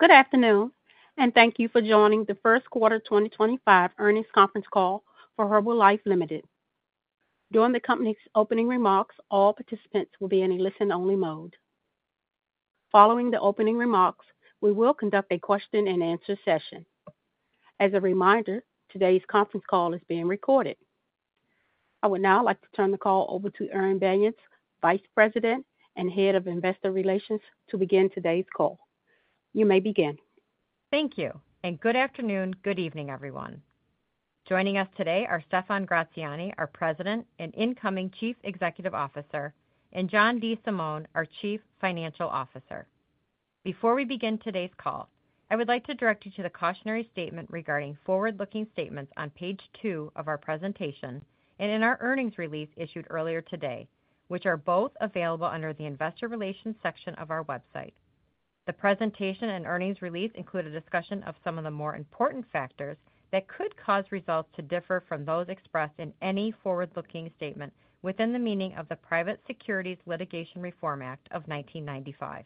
Good afternoon, and thank you for joining the first quarter 2025 earnings conference call for Herbalife. During the company's opening remarks, all participants will be in a listen-only mode. Following the opening remarks, we will conduct a question-and-answer session. As a reminder, today's conference call is being recorded. I would now like to turn the call over to Erin Banyas, Vice President and Head of Investor Relations, to begin today's call. You may begin. Thank you, and good afternoon, good evening, everyone. Joining us today are Stephan Gratziani, our President and incoming Chief Executive Officer, and John DeSimone, our Chief Financial Officer. Before we begin today's call, I would like to direct you to the cautionary statement regarding forward-looking statements on page two of our presentation and in our earnings release issued earlier today, which are both available under the Investor Relations section of our website. The presentation and earnings release include a discussion of some of the more important factors that could cause results to differ from those expressed in any forward-looking statement within the meaning of the Private Securities Litigation Reform Act of 1995.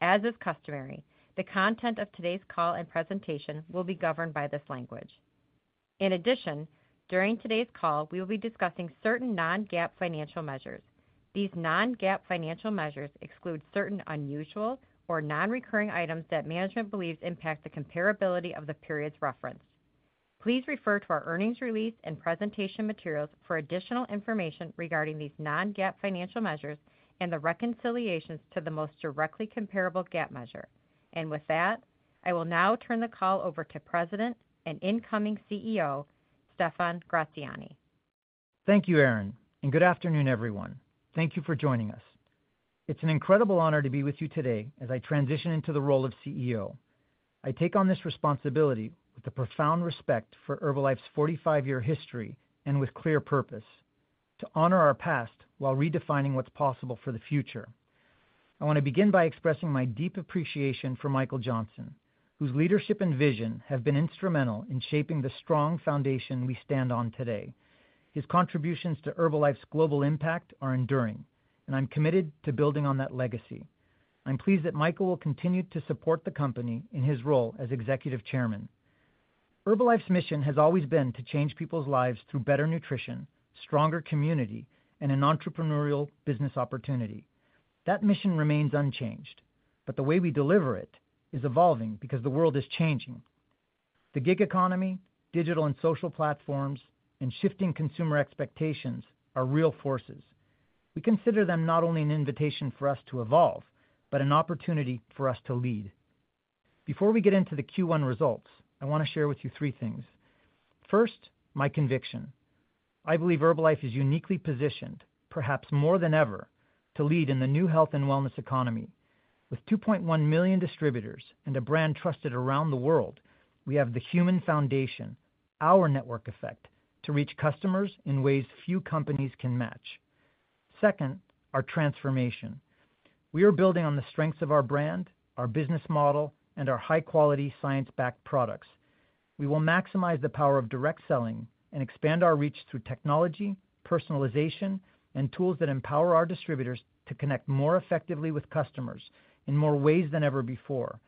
As is customary, the content of today's call and presentation will be governed by this language. In addition, during today's call, we will be discussing certain non-GAAP financial measures. These non-GAAP financial measures exclude certain unusual or non-recurring items that management believes impact the comparability of the periods referenced. Please refer to our earnings release and presentation materials for additional information regarding these non-GAAP financial measures and the reconciliations to the most directly comparable GAAP measure. I will now turn the call over to President and incoming CEO, Stephan Gratziani. Thank you, Erin, and good afternoon, everyone. Thank you for joining us. It's an incredible honor to be with you today as I transition into the role of CEO. I take on this responsibility with a profound respect for Herbalife's 45-year history and with clear purpose: to honor our past while redefining what's possible for the future. I want to begin by expressing my deep appreciation for Michael Johnson, whose leadership and vision have been instrumental in shaping the strong foundation we stand on today. His contributions to Herbalife's global impact are enduring, and I'm committed to building on that legacy. I'm pleased that Michael will continue to support the company in his role as Executive Chairman. Herbalife's mission has always been to change people's lives through better nutrition, stronger community, and an entrepreneurial business opportunity. That mission remains unchanged, but the way we deliver it is evolving because the world is changing. The gig economy, digital and social platforms, and shifting consumer expectations are real forces. We consider them not only an invitation for us to evolve, but an opportunity for us to lead. Before we get into the Q1 results, I want to share with you three things. First, my conviction. I believe Herbalife is uniquely positioned, perhaps more than ever, to lead in the new health and wellness economy. With 2.1 million distributors and a brand trusted around the world, we have the human foundation, our network effect, to reach customers in ways few companies can match. Second, our transformation. We are building on the strengths of our brand, our business model, and our high-quality, science-backed products. We will maximize the power of direct selling and expand our reach through technology, personalization, and tools that empower our distributors to connect more effectively with customers in more ways than ever before.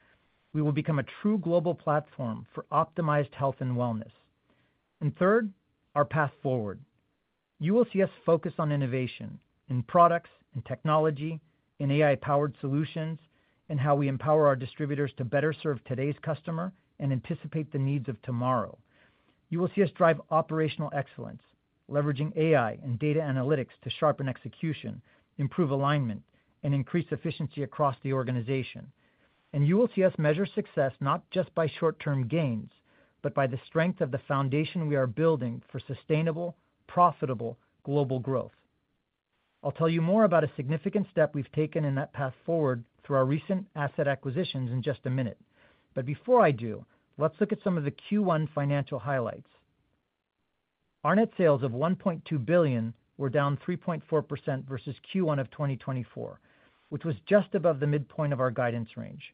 We will become a true global platform for optimized health and wellness. Third, our path forward. You will see us focus on innovation in products, in technology, in AI-powered solutions, and how we empower our distributors to better serve today's customer and anticipate the needs of tomorrow. You will see us drive operational excellence, leveraging AI and data analytics to sharpen execution, improve alignment, and increase efficiency across the organization. You will see us measure success not just by short-term gains, but by the strength of the foundation we are building for sustainable, profitable global growth. I'll tell you more about a significant step we've taken in that path forward through our recent asset acquisitions in just a minute. Before I do, let's look at some of the Q1 financial highlights. Our net sales of $1.2 billion were down 3.4% versus Q1 of 2024, which was just above the midpoint of our guidance range.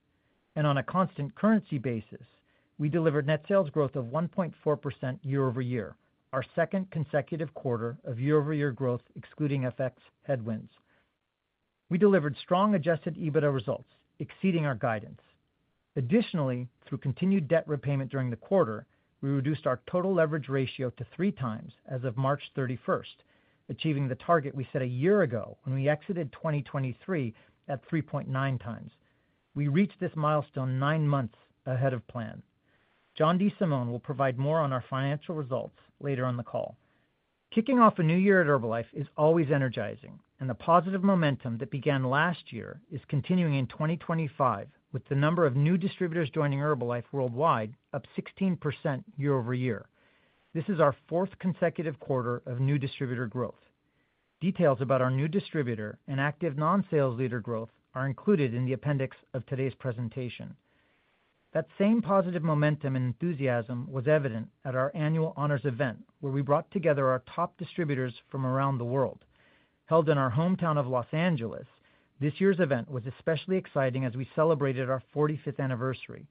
On a constant currency basis, we delivered net sales growth of 1.4% YoY, our second consecutive quarter of year-over-year growth excluding FX headwinds. We delivered strong adjusted EBITDA results, exceeding our guidance. Additionally, through continued debt repayment during the quarter, we reduced our total leverage ratio to 3x as of March 31st, achieving the target we set a year ago when we exited 2023 at 3.9x. We reached this milestone nine months ahead of plan. John DeSimone will provide more on our financial results later on the call. Kicking off a new year at Herbalife is always energizing, and the positive momentum that began last year is continuing in 2025 with the number of new distributors joining Herbalife worldwide up 16% year-over-year. This is our fourth consecutive quarter of new distributor growth. Details about our new distributor and active non-sales leader growth are included in the appendix of today's presentation. That same positive momentum and enthusiasm was evident at our annual honors event, where we brought together our top distributors from around the world. Held in our hometown of Los Angeles, this year's event was especially exciting as we celebrated our 45th anniversary.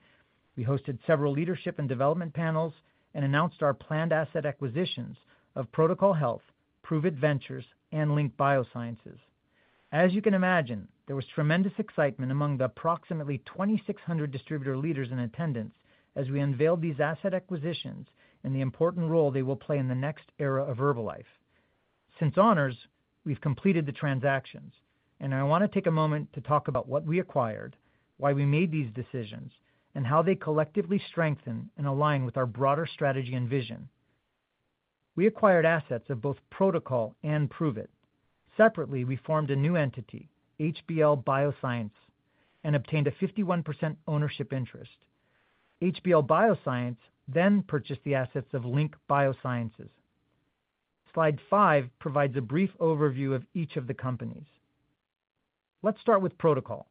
We hosted several leadership and development panels and announced our planned asset acquisitions of Pro2col Health, Pruvit Ventures, and Link BioSciences. As you can imagine, there was tremendous excitement among the approximately 2,600 distributor leaders in attendance as we unveiled these asset acquisitions and the important role they will play in the next era of Herbalife. Since honors, we've completed the transactions, and I want to take a moment to talk about what we acquired, why we made these decisions, and how they collectively strengthen and align with our broader strategy and vision. We acquired assets of both Pro2col and Pruvit. Separately, we formed a new entity, HBL Bioscience, and obtained a 51% ownership interest. HBL Bioscience then purchased the assets of Link BioSciences. Slide five provides a brief overview of each of the companies. Let's start with Pro2col.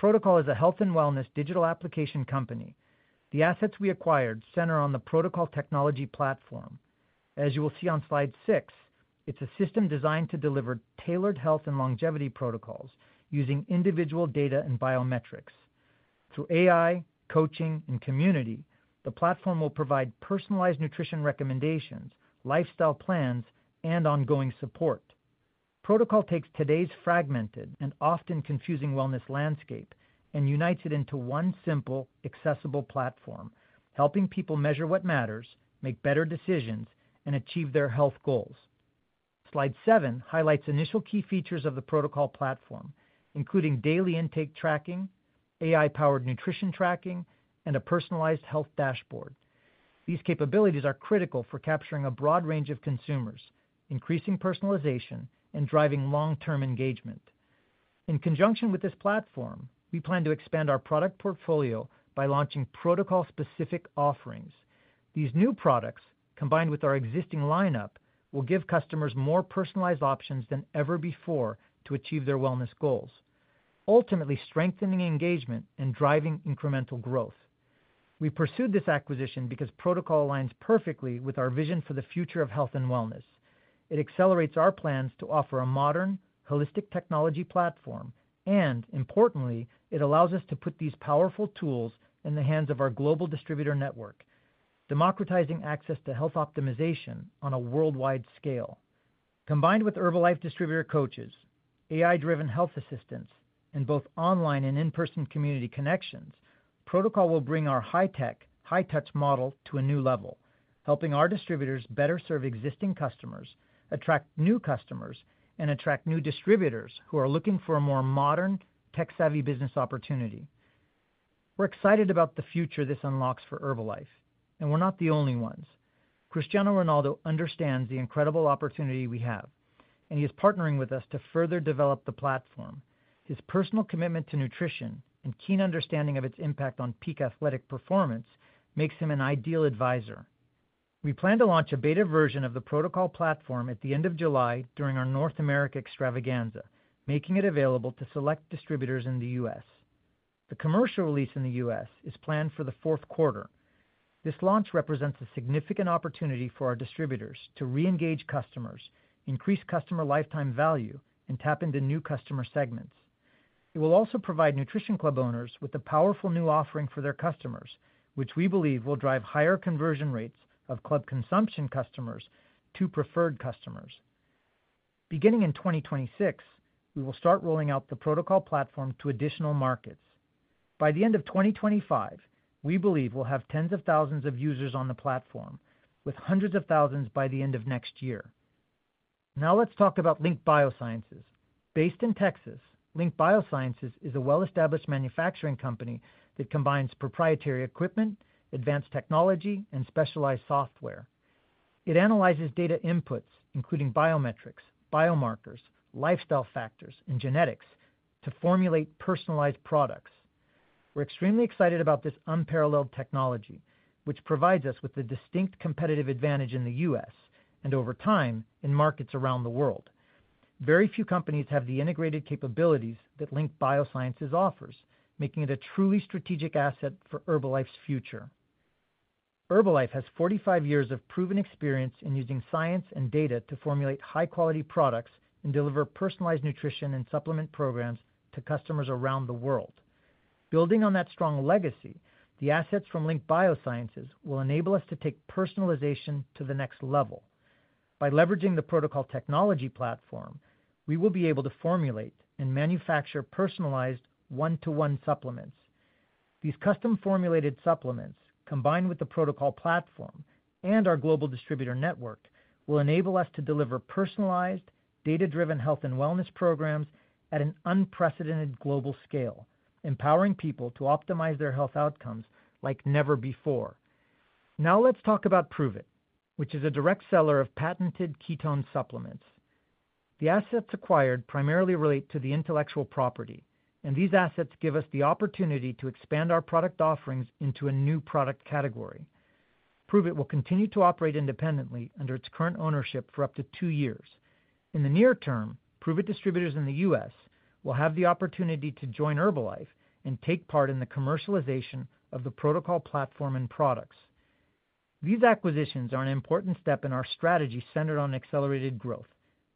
Pro2col is a health and wellness digital application company. The assets we acquired center on the Pro2col technology platform. As you will see on slide six, it's a system designed to deliver tailored health and longevity protocols using individual data and biometrics. Through AI, coaching, and community, the platform will provide personalized nutrition recommendations, lifestyle plans, and ongoing support. Pro2col takes today's fragmented and often confusing wellness landscape and unites it into one simple, accessible platform, helping people measure what matters, make better decisions, and achieve their health goals. Slide seven highlights initial key features of the Pro2col platform, including daily intake tracking, AI-powered nutrition tracking, and a personalized health dashboard. These capabilities are critical for capturing a broad range of consumers, increasing personalization, and driving long-term engagement. In conjunction with this platform, we plan to expand our product portfolio by launching Pro2col-specific offerings. These new products, combined with our existing lineup, will give customers more personalized options than ever before to achieve their wellness goals, ultimately strengthening engagement and driving incremental growth. We pursued this acquisition because Pro2col aligns perfectly with our vision for the future of health and wellness. It accelerates our plans to offer a modern, holistic technology platform, and importantly, it allows us to put these powerful tools in the hands of our global distributor network, democratizing access to health optimization on a worldwide scale. Combined with Herbalife distributor coaches, AI-driven health assistants, and both online and in-person community connections, Pro2col will bring our high-tech, high-touch model to a new level, helping our distributors better serve existing customers, attract new customers, and attract new distributors who are looking for a more modern, tech-savvy business opportunity. We're excited about the future this unlocks for Herbalife, and we're not the only ones. Cristiano Ronaldo understands the incredible opportunity we have, and he is partnering with us to further develop the platform. His personal commitment to nutrition and keen understanding of its impact on peak athletic performance makes him an ideal advisor. We plan to launch a beta version of the Pro2col platform at the end of July during our North America extravaganza, making it available to select distributors in the U.S. The commercial release in the U.S. is planned for the fourth quarter. This launch represents a significant opportunity for our distributors to re-engage customers, increase customer lifetime value, and tap into new customer segments. It will also provide nutrition club owners with a powerful new offering for their customers, which we believe will drive higher conversion rates of club consumption customers to preferred customers. Beginning in 2026, we will start rolling out the Pro2col platform to additional markets. By the end of 2025, we believe we'll have tens of thousands of users on the platform, with hundreds of thousands by the end of next year. Now let's talk about Link BioSciences. Based in Texas, Link BioSciences is a well-established manufacturing company that combines proprietary equipment, advanced technology, and specialized software. It analyzes data inputs, including biometrics, biomarkers, lifestyle factors, and genetics, to formulate personalized products. We're extremely excited about this unparalleled technology, which provides us with a distinct competitive advantage in the U.S. and over time in markets around the world. Very few companies have the integrated capabilities that Link BioSciences offers, making it a truly strategic asset for Herbalife's future. Herbalife has 45 years of proven experience in using science and data to formulate high-quality products and deliver personalized nutrition and supplement programs to customers around the world. Building on that strong legacy, the assets from Link BioSciences will enable us to take personalization to the next level. By leveraging the Pro2col technology platform, we will be able to formulate and manufacture personalized one-to-one supplements. These custom-formulated supplements, combined with the Pro2col platform and our global distributor network, will enable us to deliver personalized, data-driven health and wellness programs at an unprecedented global scale, empowering people to optimize their health outcomes like never before. Now let's talk about Pruvit, which is a direct seller of patented ketone supplements. The assets acquired primarily relate to the intellectual property, and these assets give us the opportunity to expand our product offerings into a new product category. Pruvit will continue to operate independently under its current ownership for up to two years. In the near term, Pruvit distributors in the U.S. will have the opportunity to join Herbalife and take part in the commercialization of the Pro2col platform and products. These acquisitions are an important step in our strategy centered on accelerated growth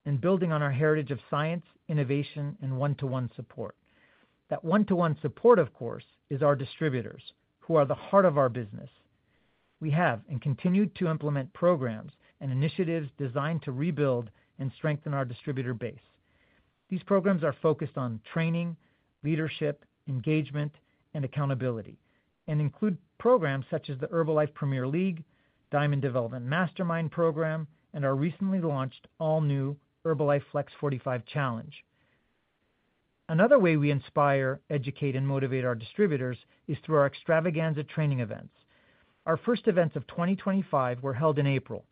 and building on our heritage of science, innovation, and one-to-one support. That one-to-one support, of course, is our distributors, who are the heart of our business. We have and continue to implement programs and initiatives designed to rebuild and strengthen our distributor base. These programs are focused on training, leadership, engagement, and accountability, and include programs such as the Herbalife Premier League, Diamond Development Mastermind program, and our recently launched all-new Herbalife Flex 45 Challenge. Another way we inspire, educate, and motivate our distributors is through our extravaganza training events. Our first events of 2025 were held in April,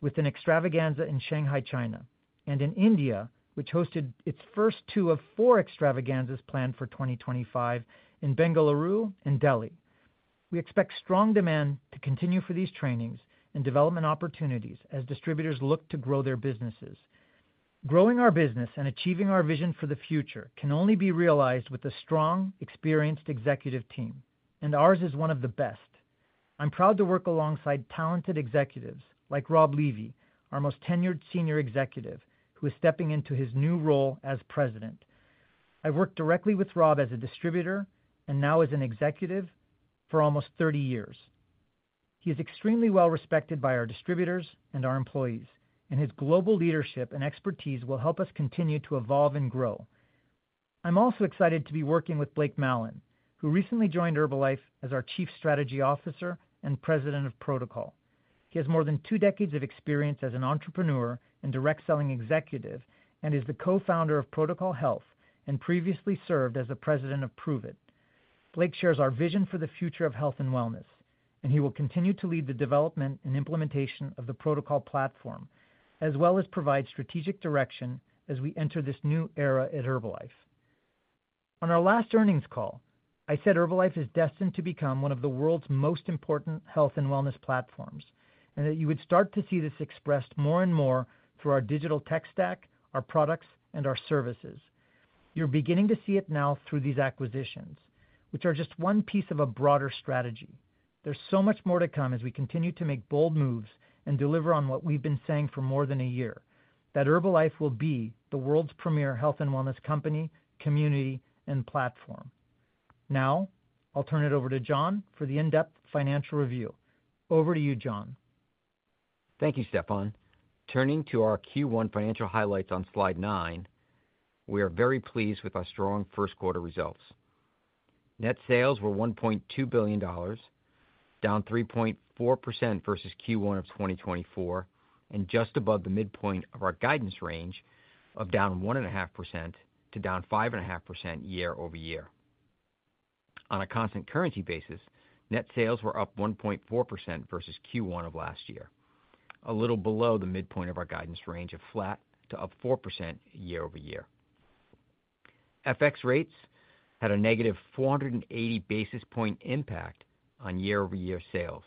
with an extravaganza in Shanghai, China, and in India, which hosted its first two of four extravaganzas planned for 2025 in Bengaluru and Delhi. We expect strong demand to continue for these trainings and development opportunities as distributors look to grow their businesses. Growing our business and achieving our vision for the future can only be realized with a strong, experienced executive team, and ours is one of the best. I'm proud to work alongside talented executives like Rob Levy, our most tenured senior executive, who is stepping into his new role as President. I've worked directly with Rob as a distributor and now as an executive for almost 30 years. He is extremely well-respected by our distributors and our employees, and his global leadership and expertise will help us continue to evolve and grow. I'm also excited to be working with Blake Mallen, who recently joined Herbalife as our Chief Strategy Officer and President of Pro2col. He has more than two decades of experience as an entrepreneur and direct selling executive and is the co-founder of Pro2col Health and previously served as the President of Pruvit. Blake shares our vision for the future of health and wellness, and he will continue to lead the development and implementation of the Pro2col platform, as well as provide strategic direction as we enter this new era at Herbalife. On our last earnings call, I said Herbalife is destined to become one of the world's most important health and wellness platforms and that you would start to see this expressed more and more through our digital tech stack, our products, and our services. You're beginning to see it now through these acquisitions, which are just one piece of a broader strategy. There's so much more to come as we continue to make bold moves and deliver on what we've been saying for more than a year, that Herbalife will be the world's premier health and wellness company, community, and platform. Now, I'll turn it over to John for the in-depth financial review. Over to you, John. Thank you, Stephan. Turning to our Q1 financial highlights on slide nine, we are very pleased with our strong first quarter results. Net sales were $1.2 billion, down 3.4% versus Q1 of 2024, and just above the midpoint of our guidance range of down 1.5% to down 5.5% YoY. On a constant currency basis, net sales were up 1.4% versus Q1 of last year, a little below the midpoint of our guidance range of flat to up 4% YoY. FX rates had a negative 480 basis point impact on year-over-year sales,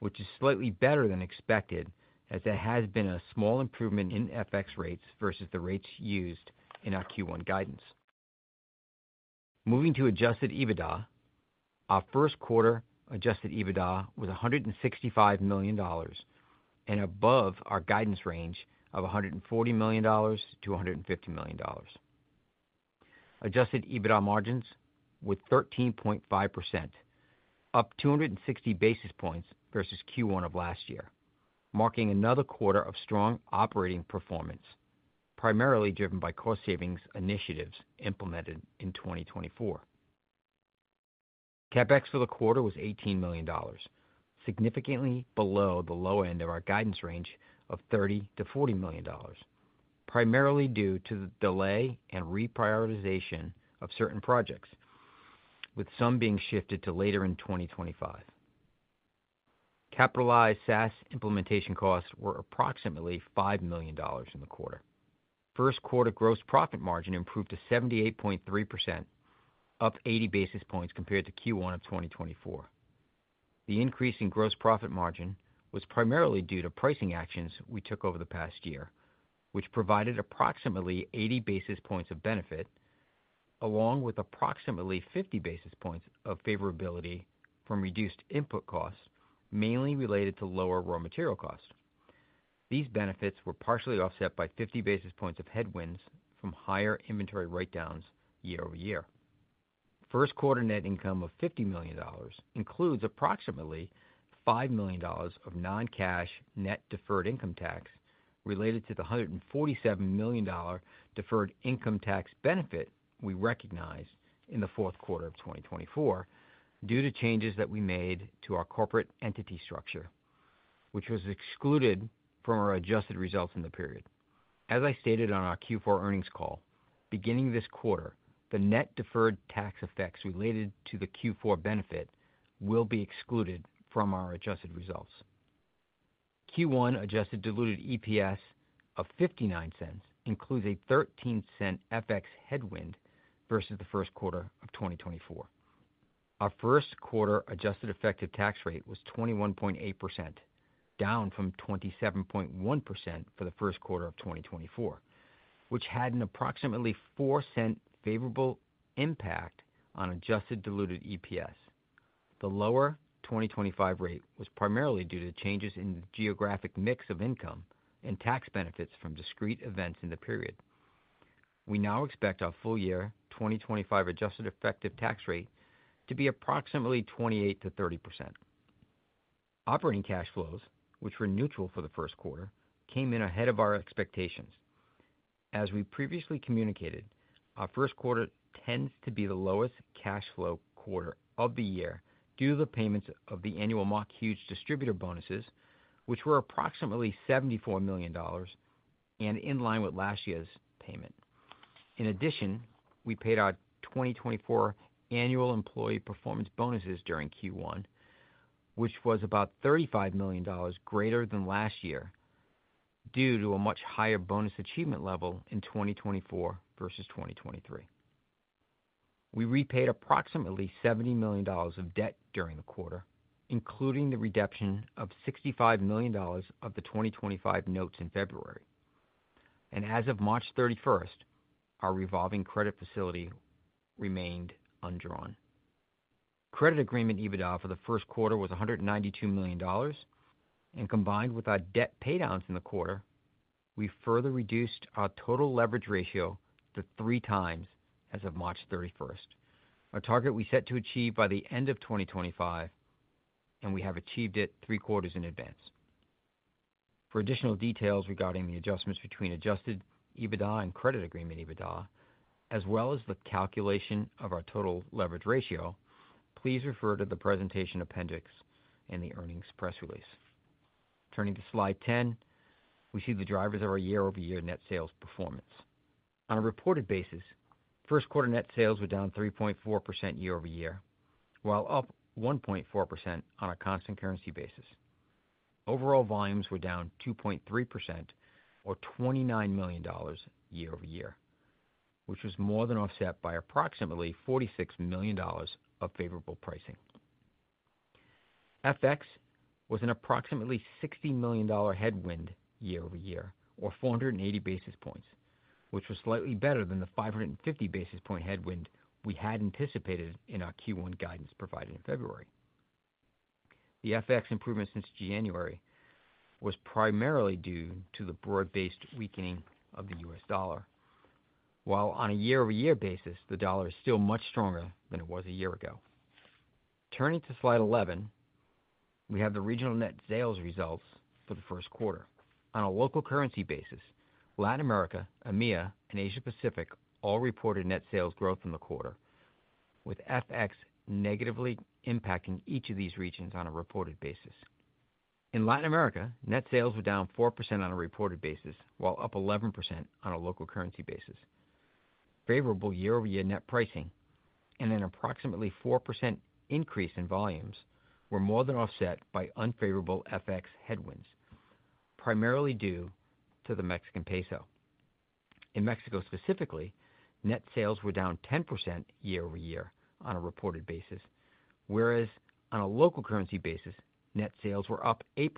which is slightly better than expected as there has been a small improvement in FX rates versus the rates used in our Q1 guidance. Moving to adjusted EBITDA, our first quarter adjusted EBITDA was $165 million and above our guidance range of $140 million-$150 million. Adjusted EBITDA margins were 13.5%, up 260 basis points versus Q1 of last year, marking another quarter of strong operating performance, primarily driven by cost savings initiatives implemented in 2024. Capex for the quarter was $18 million, significantly below the low end of our guidance range of $30 million-$40 million, primarily due to the delay and reprioritization of certain projects, with some being shifted to later in 2025. Capitalized SaaS implementation costs were approximately $5 million in the quarter. First quarter gross profit margin improved to 78.3%, up 80 basis points compared to Q1 of 2024. The increase in gross profit margin was primarily due to pricing actions we took over the past year, which provided approximately 80 basis points of benefit, along with approximately 50 basis points of favorability from reduced input costs, mainly related to lower raw material costs. These benefits were partially offset by 50 basis points of headwinds from higher inventory write-downs year-over-year. First quarter net income of $50 million includes approximately $5 million of non-cash net deferred income tax related to the $147 million deferred income tax benefit we recognized in the fourth quarter of 2024 due to changes that we made to our corporate entity structure, which was excluded from our adjusted results in the period. As I stated on our Q4 earnings call, beginning this quarter, the net deferred tax effects related to the Q4 benefit will be excluded from our adjusted results. Q1 adjusted diluted EPS of $0.59 includes a $0.13 FX headwind versus the first quarter of 2024. Our first quarter adjusted effective tax rate was 21.8%, down from 27.1% for the first quarter of 2024, which had an approximately $0.04 favorable impact on adjusted diluted EPS. The lower 2025 rate was primarily due to changes in the geographic mix of income and tax benefits from discrete events in the period. We now expect our full year 2025 adjusted effective tax rate to be approximately 28%-30%. Operating cash flows, which were neutral for the first quarter, came in ahead of our expectations. As we previously communicated, our first quarter tends to be the lowest cash flow quarter of the year due to the payments of the annual Mark Hughes distributor bonuses, which were approximately $74 million and in line with last year's payment. In addition, we paid our 2024 annual employee performance bonuses during Q1, which was about $35 million greater than last year due to a much higher bonus achievement level in 2024 versus 2023. We repaid approximately $70 million of debt during the quarter, including the reduction of $65 million of the 2025 notes in February. As of March 31st, our revolving credit facility remained undrawn. Credit agreement EBITDA for the first quarter was $192 million. Combined with our debt paydowns in the quarter, we further reduced our total leverage ratio to 3x as of March 31st, a target we set to achieve by the end of 2025, and we have achieved it three quarters in advance. For additional details regarding the adjustments between adjusted EBITDA and credit agreement EBITDA, as well as the calculation of our total leverage ratio, please refer to the presentation appendix and the earnings press release. Turning to slide 10, we see the drivers of our year-over-year net sales performance. On a reported basis, first quarter net sales were down 3.4% YoY, while up 1.4% on a constant currency basis. Overall volumes were down 2.3%, or $29 million YoY, which was more than offset by approximately $46 million of favorable pricing. FX was an approximately $60 million headwind year-over-year, or 480 basis points, which was slightly better than the 550 basis point headwind we had anticipated in our Q1 guidance provided in February. The FX improvement since January was primarily due to the broad-based weakening of the U.S. dollar, while on a year-over-year basis, the dollar is still much stronger than it was a year ago. Turning to slide 11, we have the regional net sales results for the first quarter. On a local currency basis, Latin America, EMEA, and Asia-Pacific all reported net sales growth in the quarter, with FX negatively impacting each of these regions on a reported basis. In Latin America, net sales were down 4% on a reported basis, while up 11% on a local currency basis. Favorable year-over-year net pricing and an approximately 4% increase in volumes were more than offset by unfavorable FX headwinds, primarily due to the Mexican peso. In Mexico specifically, net sales were down 10% YoY on a reported basis, whereas on a local currency basis, net sales were up 8%,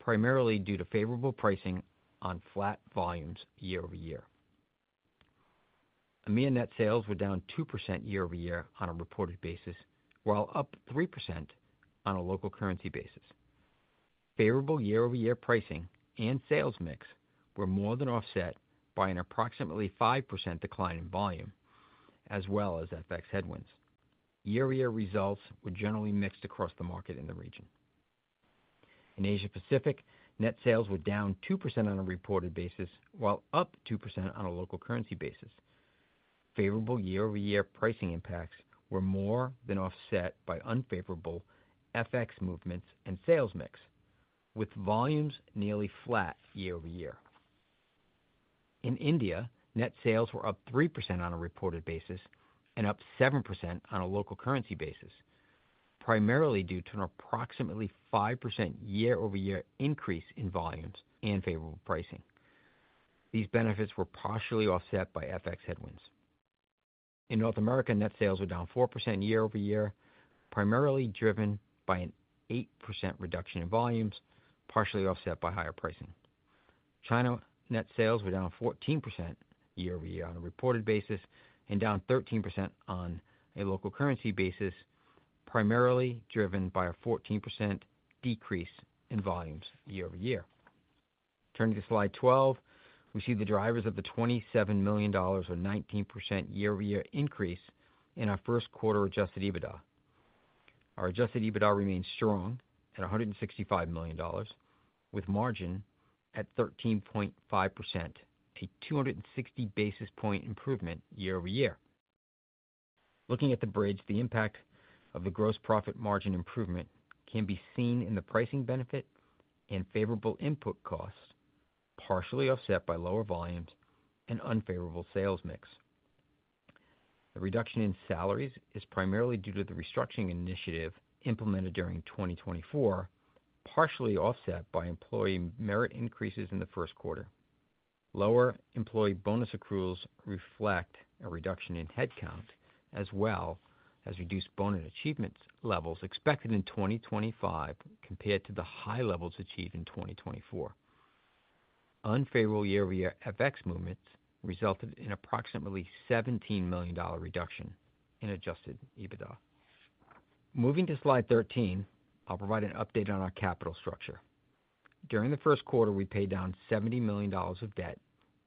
primarily due to favorable pricing on flat volumes year-over-year. EMEA net sales were down 2% YoY on a reported basis, while up 3% on a local currency basis. Favorable year-over-year pricing and sales mix were more than offset by an approximately 5% decline in volume, as well as FX headwinds. Year-over-year results were generally mixed across the market in the region. In Asia-Pacific, net sales were down 2% on a reported basis, while up 2% on a local currency basis. Favorable year-over-year pricing impacts were more than offset by unfavorable FX movements and sales mix, with volumes nearly flat year-over-year. In India, net sales were up 3% on a reported basis and up 7% on a local currency basis, primarily due to an approximately 5%YoY increase in volumes and favorable pricing. These benefits were partially offset by FX headwinds. In North America, net sales were down 4% YoY, primarily driven by an 8% reduction in volumes, partially offset by higher pricing. China net sales were down 14% YoY on a reported basis and down 13% on a local currency basis, primarily driven by a 14% decrease in volumes year-over-year. Turning to slide 12, we see the drivers of the $27 million, or 19% YoY increase in our first quarter adjusted EBITDA. Our adjusted EBITDA remains strong at $165 million, with margin at 13.5%, a 260 basis point improvement year-over-year. Looking at the bridge, the impact of the gross profit margin improvement can be seen in the pricing benefit and favorable input costs, partially offset by lower volumes and unfavorable sales mix. The reduction in salaries is primarily due to the restructuring initiative implemented during 2024, partially offset by employee merit increases in the first quarter. Lower employee bonus accruals reflect a reduction in headcount, as well as reduced bonus achievement levels expected in 2025 compared to the high levels achieved in 2024. Unfavorable year-over-year FX movements resulted in approximately $17 million reduction in adjusted EBITDA. Moving to slide 13, I'll provide an update on our capital structure. During the first quarter, we paid down $70 million of debt,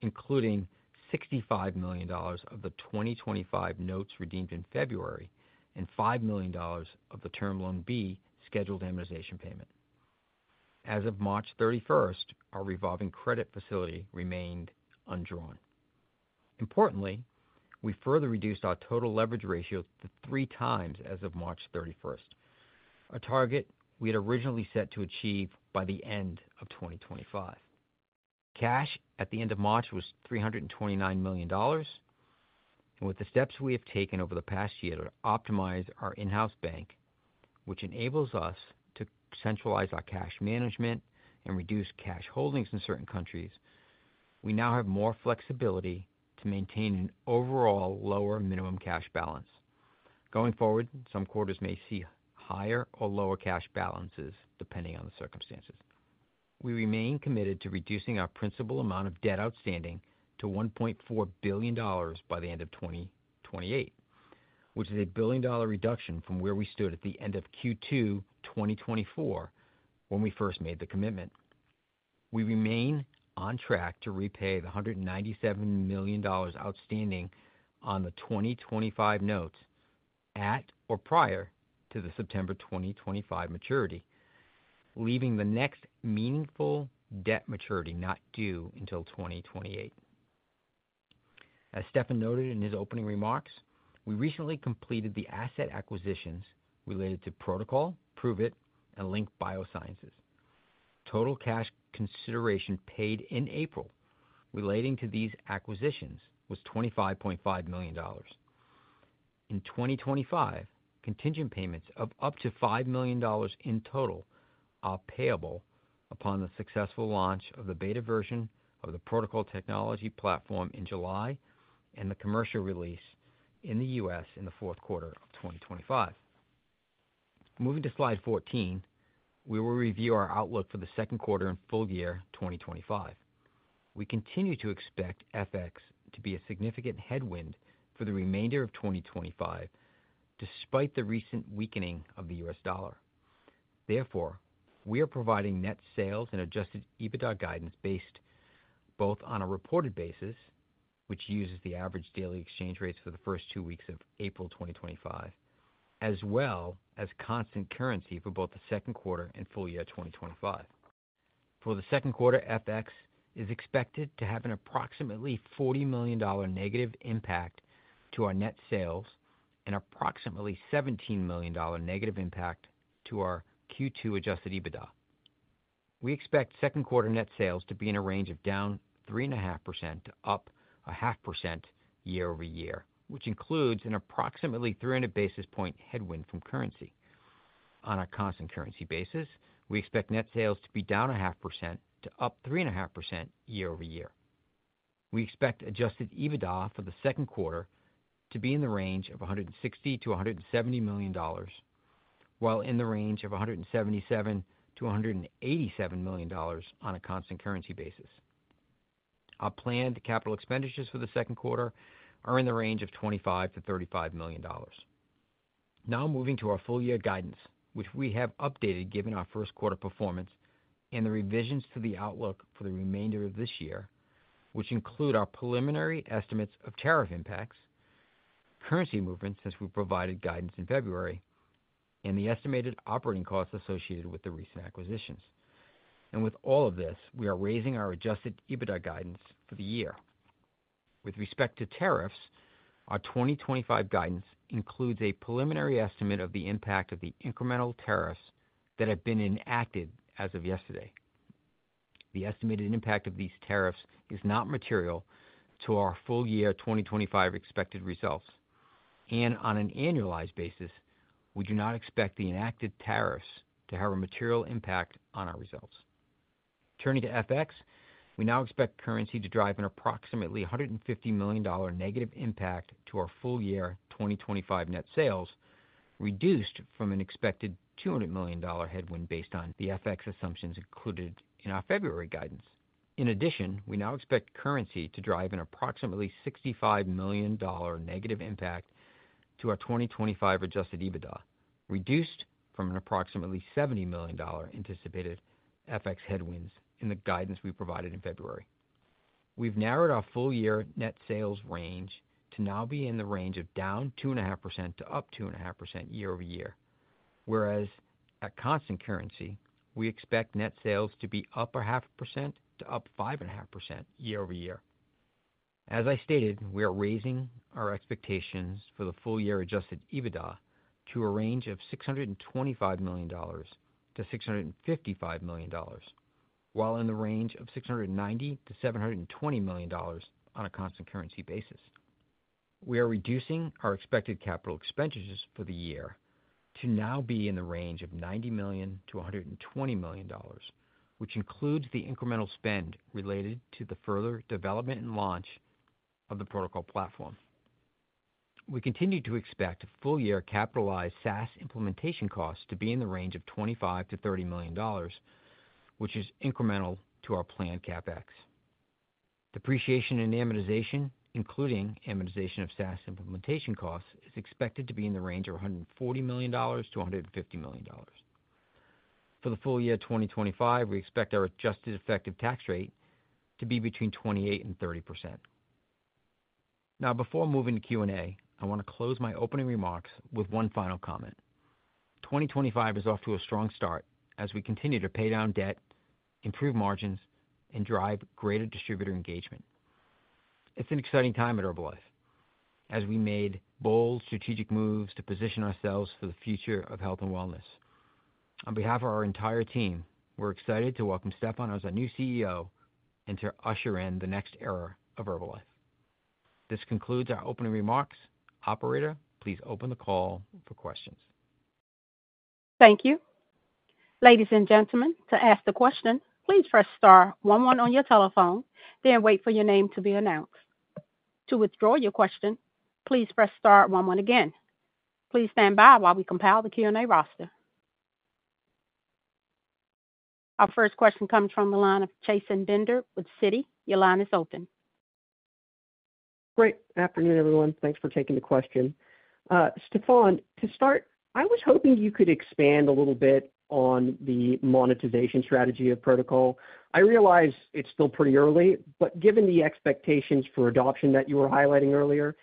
including $65 million of the 2025 notes redeemed in February and $5 million of the Term Loan B scheduled amortization payment. As of March 31st, our revolving credit facility remained undrawn. Importantly, we further reduced our total leverage ratio to 3x as of March 31st, a target we had originally set to achieve by the end of 2025. Cash at the end of March was $329 million. With the steps we have taken over the past year to optimize our in-house bank, which enables us to centralize our cash management and reduce cash holdings in certain countries, we now have more flexibility to maintain an overall lower minimum cash balance. Going forward, some quarters may see higher or lower cash balances, depending on the circumstances. We remain committed to reducing our principal amount of debt outstanding to $1.4 billion by the end of 2028, which is a billion-dollar reduction from where we stood at the end of Q2 2024 when we first made the commitment. We remain on track to repay the $197 million outstanding on the 2025 notes at or prior to the September 2025 maturity, leaving the next meaningful debt maturity not due until 2028. As Stephan noted in his opening remarks, we recently completed the asset acquisitions related to Pro2col, Pruvit, and Link BioSciences. Total cash consideration paid in April relating to these acquisitions was $25.5 million. In 2025, contingent payments of up to $5 million in total are payable upon the successful launch of the beta version of the Pro2col technology platform in July and the commercial release in the U.S. in the fourth quarter of 2025. Moving to slide 14, we will review our outlook for the second quarter and full year 2025. We continue to expect FX to be a significant headwind for the remainder of 2025, despite the recent weakening of the U.S. dollar. Therefore, we are providing net sales and adjusted EBITDA guidance based both on a reported basis, which uses the average daily exchange rates for the first two weeks of April 2025, as well as constant currency for both the second quarter and full year 2025. For the second quarter, FX is expected to have an approximately $40 million negative impact to our net sales and approximately $17 million negative impact to our Q2 adjusted EBITDA. We expect second quarter net sales to be in a range of down 3.5% YoY to up 0.5% YoY, which includes an approximately 300 basis point headwind from currency. On a constant currency basis, we expect net sales to be down 0.5% YoY to up 3.5% YoY. We expect adjusted EBITDA for the second quarter to be in the range of $160 million-$170 million, while in the range of $177 million-$187 million on a constant currency basis. Our planned capital expenditures for the second quarter are in the range of $25 million-$35 million. Now moving to our full year guidance, which we have updated given our first quarter performance and the revisions to the outlook for the remainder of this year, which include our preliminary estimates of tariff impacts, currency movements since we provided guidance in February, and the estimated operating costs associated with the recent acquisitions. With all of this, we are raising our adjusted EBITDA guidance for the year. With respect to tariffs, our 2025 guidance includes a preliminary estimate of the impact of the incremental tariffs that have been enacted as of yesterday. The estimated impact of these tariffs is not material to our full year 2025 expected results. On an annualized basis, we do not expect the enacted tariffs to have a material impact on our results. Turning to FX, we now expect currency to drive an approximately $150 million negative impact to our full year 2025 net sales, reduced from an expected $200 million headwind based on the FX assumptions included in our February guidance. In addition, we now expect currency to drive an approximately $65 million negative impact to our 2025 adjusted EBITDA, reduced from an approximately $70 million anticipated FX headwinds in the guidance we provided in February. We've narrowed our full year net sales range to now be in the range of down 2.5% YoY to up 2.5% YoY, whereas at constant currency, we expect net sales to be up 0.5% YoY to up 5.5% YoY. As I stated, we are raising our expectations for the full year adjusted EBITDA to a range of $625 million-$655 million, while in the range of $690 million-$720 million on a constant currency basis. We are reducing our expected capital expenditures for the year to now be in the range of $90 million-$120 million, which includes the incremental spend related to the further development and launch of the Pro2col platform. We continue to expect full year capitalized SaaS implementation costs to be in the range of $25 million-$30 million, which is incremental to our planned CapEx. Depreciation and amortization, including amortization of SaaS implementation costs, is expected to be in the range of $140 million-$150 million. For the full year 2025, we expect our adjusted effective tax rate to be between 28% and 30%. Now, before moving to Q&A, I want to close my opening remarks with one final comment. 2025 is off to a strong start as we continue to pay down debt, improve margins, and drive greater distributor engagement. It's an exciting time at Herbalife as we made bold strategic moves to position ourselves for the future of health and wellness. On behalf of our entire team, we're excited to welcome Stephan as our new CEO and to usher in the next era of Herbalife. This concludes our opening remarks. Operator, please open the call for questions. Thank you. Ladies and gentlemen, to ask a question, please press star one one on your telephone, then wait for your name to be announced. To withdraw your question, please press star one one again. Please stand by while we compile the Q&A roster. Our first question comes from the line of Chasen Bender with Citi. Your line is open. Great. Afternoon, everyone. Thanks for taking the question. Stephan, to start, I was hoping you could expand a little bit on the monetization strategy of Pro2col. I realize it's still pretty early, but given the expectations for adoption that you were highlighting earlier,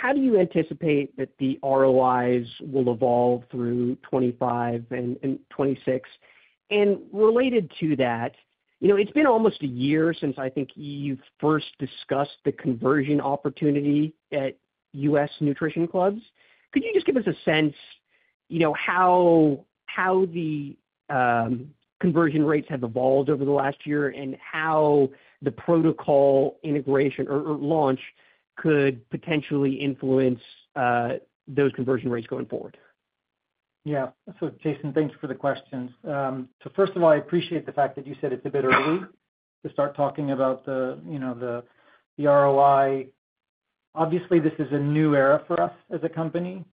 how do you anticipate that the ROIs will evolve through 2025 and 2026? Related to that, it's been almost a year since I think you've first discussed the conversion opportunity at U.S. Nutrition Clubs. Could you just give us a sense how the conversion rates have evolved over the last year and how the Pro2col integration or launch could potentially influence those conversion rates going forward? Yeah. Chasen, thank you for the questions. First of all, I appreciate the fact that you said it's a bit early to start talking about the ROI. Obviously, this is a new era for us as a company.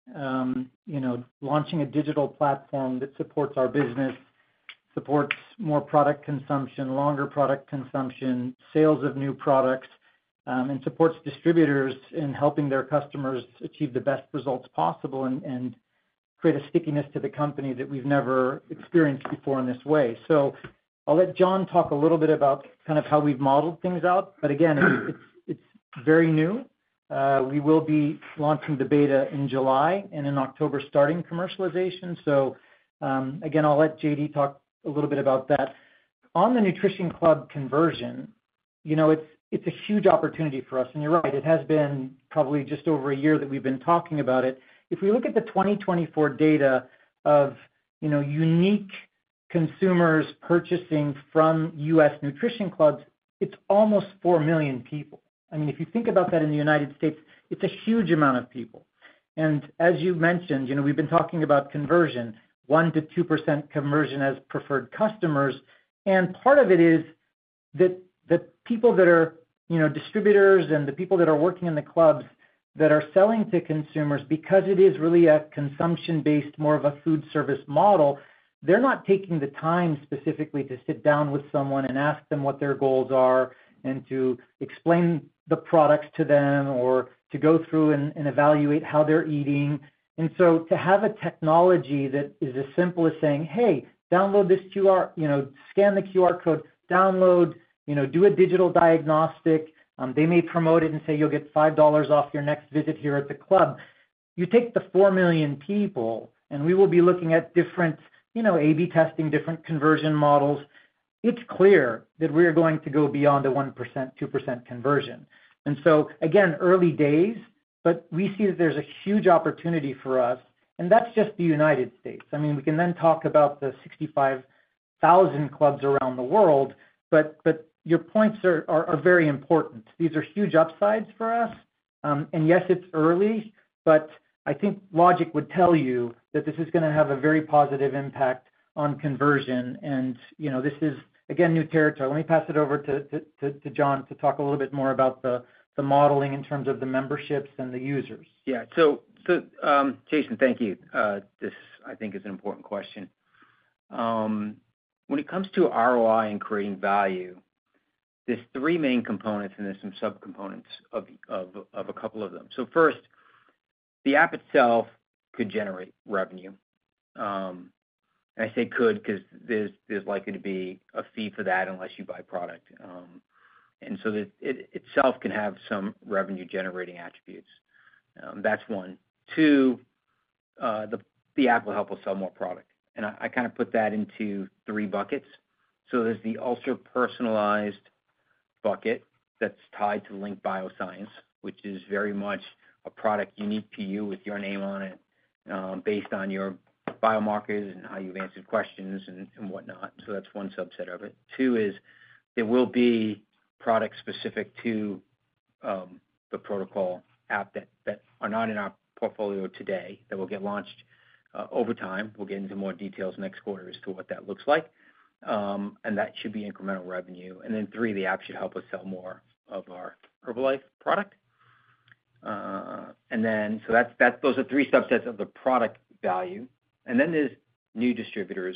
Launching a digital platform that supports our business supports more product consumption, longer product consumption, sales of new products, and supports distributors in helping their customers achieve the best results possible and create a stickiness to the company that we've never experienced before in this way. I'll let John talk a little bit about kind of how we've modeled things out. Again, it's very new. We will be launching the beta in July and in October starting commercialization. Again, I'll let JD talk a little bit about that. On the Nutrition Club conversion, it's a huge opportunity for us. You're right, it has been probably just over a year that we've been talking about it. If we look at the 2024 data of unique consumers purchasing from US Nutrition Clubs, it's almost 4 million people. I mean, if you think about that in the U.S., it's a huge amount of people. As you mentioned, we've been talking about conversion, 1%-2% conversion as preferred customers. Part of it is that the people that are distributors and the people that are working in the clubs that are selling to consumers, because it is really a consumption-based, more of a food service model, they're not taking the time specifically to sit down with someone and ask them what their goals are and to explain the products to them or to go through and evaluate how they're eating. To have a technology that is as simple as saying, "Hey, download this QR, scan the QR code, download, do a digital diagnostic," they may promote it and say, "You'll get $5 off your next visit here at the club." You take the 4 million people, and we will be looking at different A/B testing, different conversion models. It is clear that we are going to go beyond the 1%-2% conversion. Again, early days, but we see that there is a huge opportunity for us. That is just the United States. I mean, we can then talk about the 65,000 clubs around the world, but your points are very important. These are huge upsides for us. Yes, it is early, but I think logic would tell you that this is going to have a very positive impact on conversion. This is, again, new territory. Let me pass it over to John to talk a little bit more about the modeling in terms of the memberships and the users. Yeah. Chasen, thank you. This, I think, is an important question. When it comes to ROI and creating value, there are three main components and there are some sub-components of a couple of them. First, the app itself could generate revenue. I say could because there is likely to be a fee for that unless you buy product. It itself can have some revenue-generating attributes. That is one. Two, the app will help us sell more product. I kind of put that into three buckets. There is the ultra-personalized bucket that is tied to Link BioSciences, which is very much a product unique to you with your name on it based on your biomarkers and how you have answered questions and whatnot. That's one subset of it. Two is there will be products specific to the Pro2col app that are not in our portfolio today that will get launched over time. We'll get into more details next quarter as to what that looks like. That should be incremental revenue. Three, the app should help us sell more of our Herbalife product. Those are three subsets of the product value. Then there's new distributors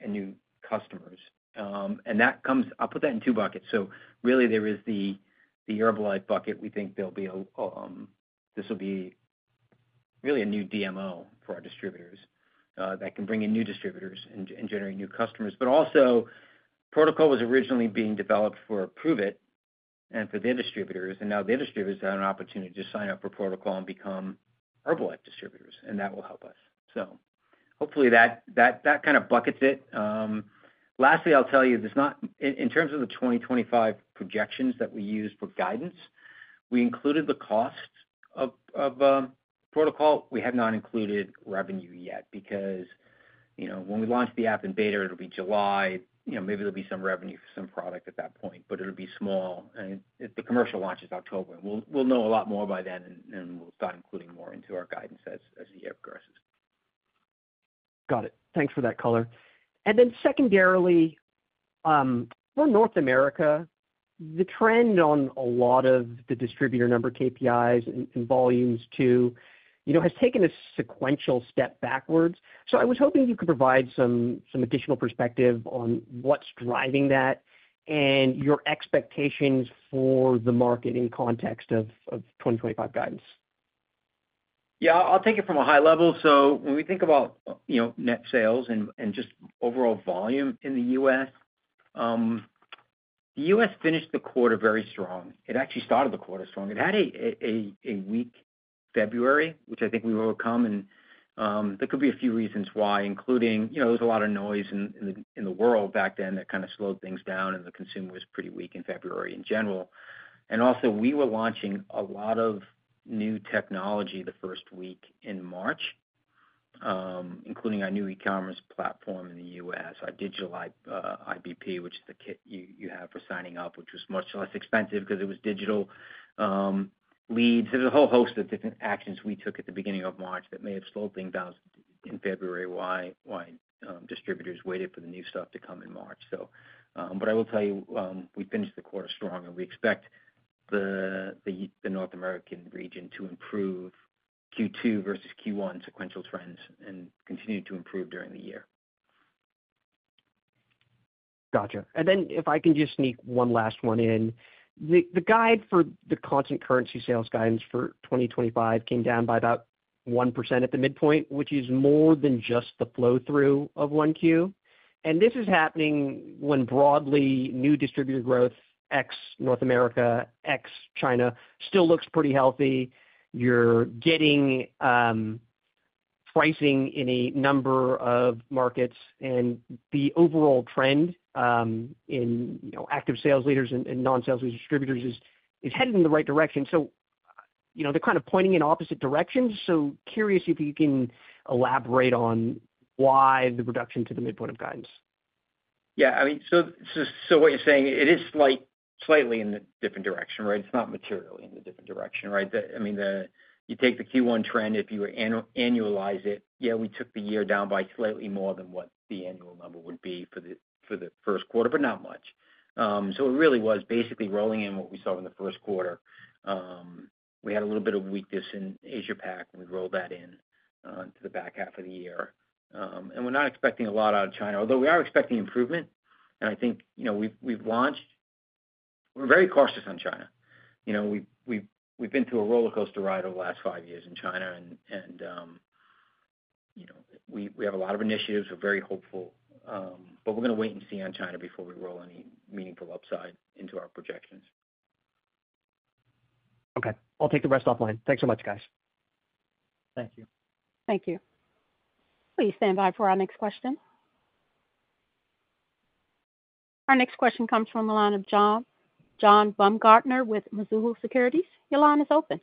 and new customers. That comes, I put that in two buckets. Really, there is the Herbalife bucket. We think there will be a, this will be really a new DMO for our distributors that can bring in new distributors and generate new customers. Also, Pro2col was originally being developed for Pruvit and for their distributors. Their distributors have an opportunity to sign up for Pro2col and become Herbalife distributors. That will help us. Hopefully, that kind of buckets it. Lastly, I'll tell you, in terms of the 2025 projections that we use for guidance, we included the cost of Pro2col. We have not included revenue yet because when we launch the app in beta, it'll be July. Maybe there'll be some revenue for some product at that point, but it'll be small. The commercial launch is October. We'll know a lot more by then, and we'll start including more into our guidance as the year progresses. Got it. Thanks for that, Color. Secondarily, for North America, the trend on a lot of the distributor number KPIs and volumes too has taken a sequential step backwards. I was hoping you could provide some additional perspective on what's driving that and your expectations for the market in context of 2025 guidance. Yeah. I'll take it from a high level. When we think about net sales and just overall volume in the U.S., the U.S. finished the quarter very strong. It actually started the quarter strong. It had a weak February, which I think we overcome. There could be a few reasons why, including there was a lot of noise in the world back then that kind of slowed things down, and the consumer was pretty weak in February in general. Also, we were launching a lot of new technology the first week in March, including our new e-commerce platform in the U.S., our digital IBP, which is the kit you have for signing up, which was much less expensive because it was digital leads. There is a whole host of different actions we took at the beginning of March that may have slowed things down in February while distributors waited for the new stuff to come in March. I will tell you, we finished the quarter strong, and we expect the North American region to improve Q2 versus Q1 sequential trends and continue to improve during the year. Gotcha. If I can just sneak one last one in, the guide for the constant currency sales guidance for 2025 came down by about 1% at the midpoint, which is more than just the flow-through of Q1. This is happening when broadly new distributor growth, excluding North America and China, still looks pretty healthy. You're getting pricing in a number of markets. The overall trend in active sales leaders and non-sales leader distributors is headed in the right direction. They are kind of pointing in opposite directions. I am curious if you can elaborate on why the reduction to the midpoint of guidance. Yeah. I mean, what you're saying, it is slightly in a different direction, right? It's not materially in a different direction, right? I mean, you take the Q1 trend, if you annualize it, yeah, we took the year down by slightly more than what the annual number would be for the first quarter, but not much. It really was basically rolling in what we saw in the first quarter. We had a little bit of weakness in Asia-Pac, and we rolled that into the back half of the year. We are not expecting a lot out of China, although we are expecting improvement. I think we have launched, we are very cautious on China. We have been through a rollercoaster ride over the last five years in China. We have a lot of initiatives. We are very hopeful. We are going to wait and see on China before we roll any meaningful upside into our projections. Okay. I will take the rest offline. Thanks so much, guys. Thank you. Thank you. Please stand by for our next question. Our next question comes from the line of John, John Baumgartner with Mizuho Securities. Your line is open.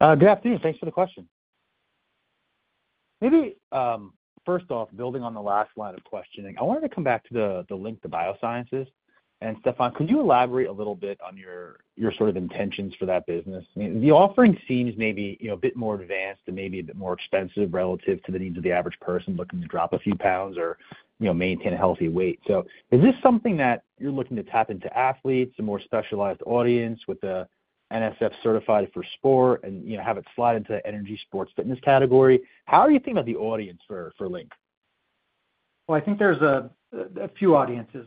Good afternoon. Thanks for the question. Maybe first off, building on the last line of questioning, I wanted to come back to the Link BioSciences. Stephan, could you elaborate a little bit on your sort of intentions for that business? The offering seems maybe a bit more advanced and maybe a bit more expensive relative to the needs of the average person looking to drop a few pounds or maintain a healthy weight. Is this something that you're looking to tap into athletes, a more specialized audience with an NSF-certified for sport, and have it slide into the energy sports fitness category? How are you thinking about the audience for Link? I think there's a few audiences.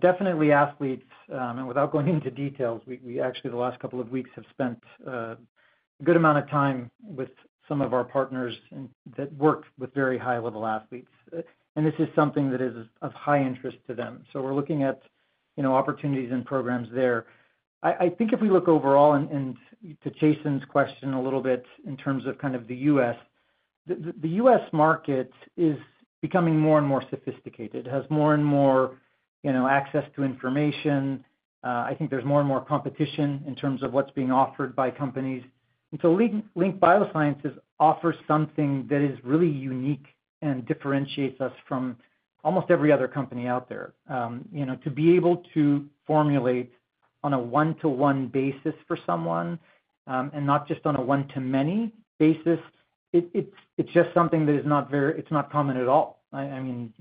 Definitely athletes. Without going into details, we actually, the last couple of weeks, have spent a good amount of time with some of our partners that work with very high-level athletes. This is something that is of high interest to them. We are looking at opportunities and programs there. I think if we look overall and to Chasen's question a little bit in terms of kind of the U.S., the U.S. market is becoming more and more sophisticated, has more and more access to information. I think there's more and more competition in terms of what's being offered by companies. Link BioSciences offers something that is really unique and differentiates us from almost every other company out there. To be able to formulate on a one-to-one basis for someone and not just on a one-to-many basis, it's just something that is not very, it's not common at all. I mean,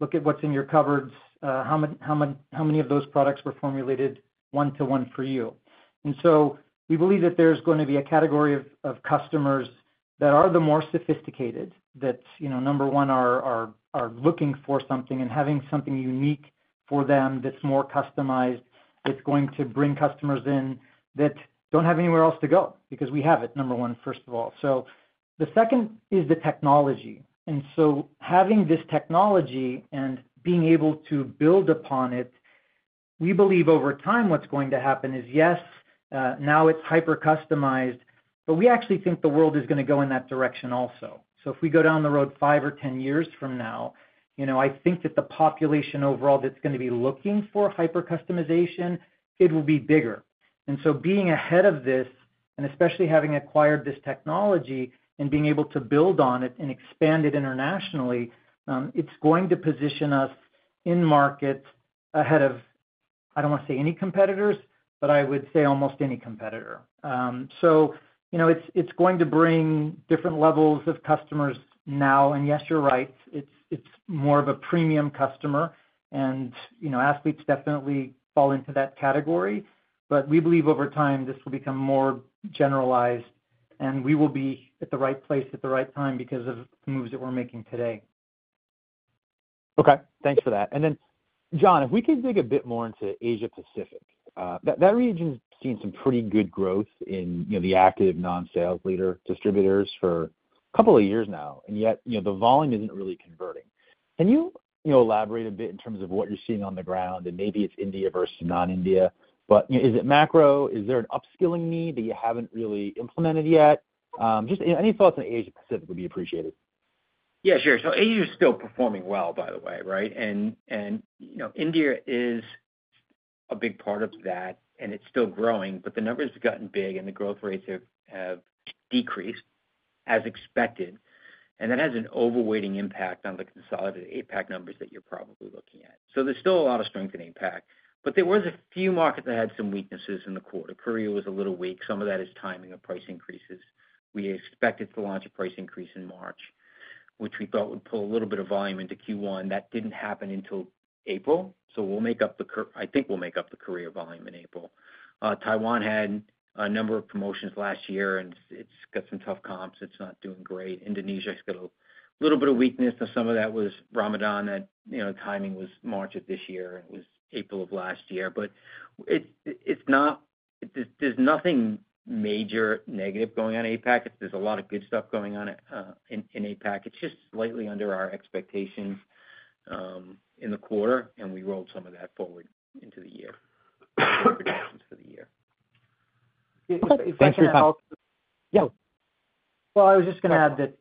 look at what's in your cupboards. How many of those products were formulated one-to-one for you? We believe that there's going to be a category of customers that are the more sophisticated, that number one are looking for something and having something unique for them that's more customized, that's going to bring customers in that don't have anywhere else to go because we have it, number one, first of all. The second is the technology. Having this technology and being able to build upon it, we believe over time what's going to happen is, yes, now it's hyper-customized, but we actually think the world is going to go in that direction also. If we go down the road 5 or 10 years from now, I think that the population overall that's going to be looking for hyper-customization, it will be bigger. Being ahead of this and especially having acquired this technology and being able to build on it and expand it internationally, it's going to position us in markets ahead of, I don't want to say any competitors, but I would say almost any competitor. It's going to bring different levels of customers now. Yes, you're right. It's more of a premium customer. Athletes definitely fall into that category. We believe over time this will become more generalized, and we will be at the right place at the right time because of the moves that we're making today. Okay. Thanks for that. John, if we could dig a bit more into Asia-Pacific, that region has seen some pretty good growth in the active non-sales leader distributors for a couple of years now. Yet, the volume isn't really converting. Can you elaborate a bit in terms of what you're seeing on the ground? Maybe it's India versus non-India, but is it macro? Is there an upskilling need that you haven't really implemented yet? Just any thoughts on Asia-Pacific would be appreciated. Yeah, sure. Asia is still performing well, by the way, right? India is a big part of that, and it's still growing. The numbers have gotten big, and the growth rates have decreased as expected. That has an overweighting impact on the consolidated APAC numbers that you're probably looking at. There's still a lot of strength in APAC. There were a few markets that had some weaknesses in the quarter. Korea was a little weak. Some of that is timing of price increases. We expected to launch a price increase in March, which we thought would pull a little bit of volume into Q1. That did not happen until April. I think we will make up the Korea volume in April. Taiwan had a number of promotions last year, and it has got some tough comps. It is not doing great. Indonesia has got a little bit of weakness. Some of that was Ramadan. That timing was March of this year, and it was April of last year. There is nothing major negative going on in APAC. There is a lot of good stuff going on in APAC. It is just slightly under our expectations in the quarter, and we rolled some of that forward into the year for the year. Thanks for your help. Yeah. I was just going to add that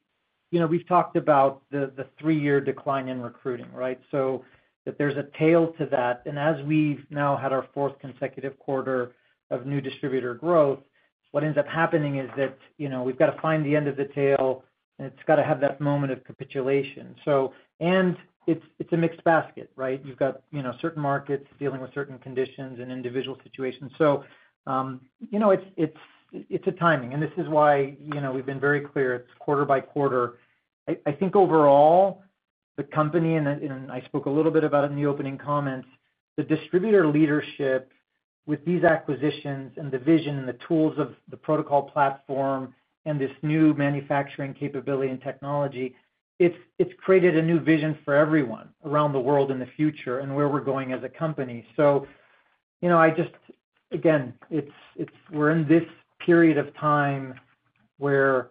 we have talked about the three-year decline in recruiting, right? There is a tail to that. As we've now had our fourth consecutive quarter of new distributor growth, what ends up happening is that we've got to find the end of the tail, and it's got to have that moment of capitulation. It's a mixed basket, right? You've got certain markets dealing with certain conditions and individual situations. It's a timing. This is why we've been very clear. It's quarter by quarter. I think overall, the company and I spoke a little bit about it in the opening comments, the distributor leadership with these acquisitions and the vision and the tools of the Pro2col platform and this new manufacturing capability and technology, it's created a new vision for everyone around the world in the future and where we're going as a company. I just, again, we're in this period of time where